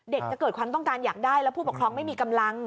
จะเกิดความต้องการอยากได้แล้วผู้ปกครองไม่มีกำลัง